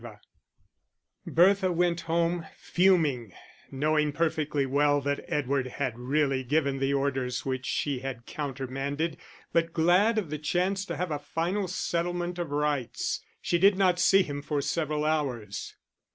Chapter XXI Bertha went home, fuming, knowing perfectly well that Edward had really given the orders which she had countermanded, but glad of the chance to have a final settlement of rights. She did not see him for several hours.